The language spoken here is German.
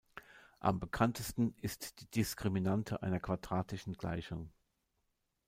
Am bekanntesten ist die Diskriminante einer quadratischen Gleichung.